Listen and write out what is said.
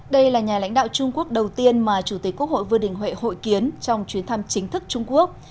đây là nhà lãnh đạo trung quốc đầu tiên mà chủ tịch quốc hội vương đình huệ hội kiến trong chuyến thăm chính thức trung quốc